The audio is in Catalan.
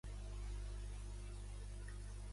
Transcorregut aquest temps, morirà i ascendirà al cel.